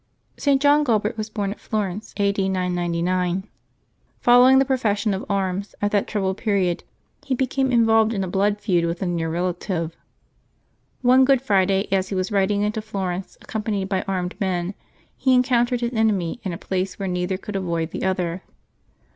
iSi'^' John" Gualbbet was born at Florence, a. D 999. S^ Following the profession of arms at that troubled period, he became involved in a blood feud with a near relative. One Good Friday, as he was riding into Florence accompanied by armed men, he encountered his enemy in a place where neither could avoid the other.